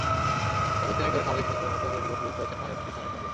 বছর তিনেক ধরে সামাজিক সচেতনতা তৈরি করতে যুক্ত আছেন মায়ের প্রতিষ্ঠানের সঙ্গে।